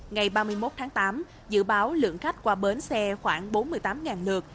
ngày ba mươi một tháng tám dự báo lượng khách qua bến xe khoảng bốn mươi tám lượt